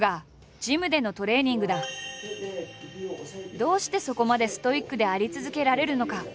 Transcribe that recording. どうしてそこまでストイックであり続けられるのか？